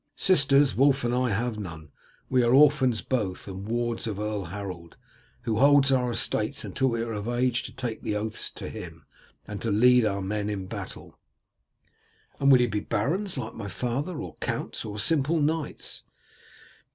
Sisters, Wulf and I have none; we are orphans both, and wards of Earl Harold, who holds our estates until we are of age to take the oaths to him and to lead our men in battle." "And will you be barons like my father, or counts, or simple knights?"